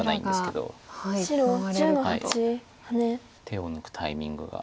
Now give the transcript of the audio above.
手を抜くタイミングが。